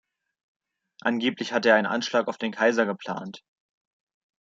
Angeblich hatte er einen Anschlag auf den Kaiser geplant.